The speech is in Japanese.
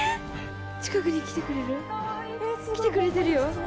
近くに来てくれる？来てくれてるよ。